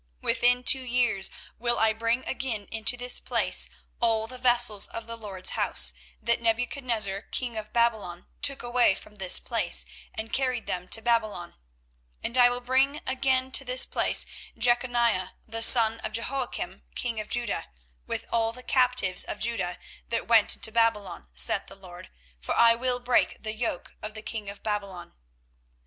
24:028:003 Within two full years will I bring again into this place all the vessels of the LORD's house, that Nebuchadnezzar king of Babylon took away from this place, and carried them to Babylon: 24:028:004 And I will bring again to this place Jeconiah the son of Jehoiakim king of Judah, with all the captives of Judah, that went into Babylon, saith the LORD: for I will break the yoke of the king of Babylon.